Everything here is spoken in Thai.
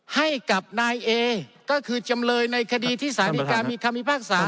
ให้กับนายเอก็คือจำเลยในคดีที่สารดีการมีคำพิพากษา